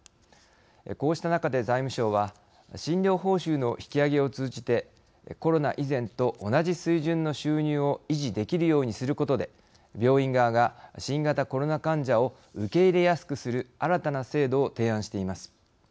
こうした中で財務省は診療報酬の引き上げを通じてコロナ以前と同じ水準の収入を維持できるようにすることで病院側が新型コロナ患者を受け入れやすくする新たな制度を提案しています。